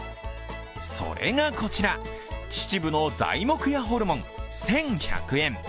それがこちら、秩父の材木屋ホルモン、１１００円。